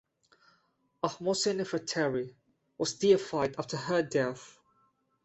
Ahmose-Nefertari was deified after her death.